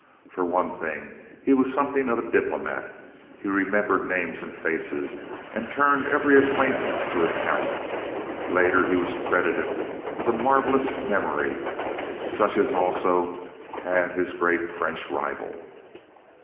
For one thing, he was something of a diplomat. He remembered names and faces, and turned every acquaintance to account. Later, he was credited with a marvellous memory such as also had his great French rival.